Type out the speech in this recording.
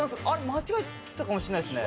間違えてたかもしれないですね。